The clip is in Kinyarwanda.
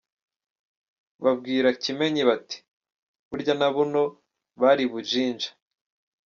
Babwira Kimenyi bati “Burya na Buno bari i Bujinja”.